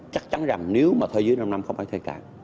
chắc chắn rằng nếu mà thuê dưới năm năm không phải thuê cả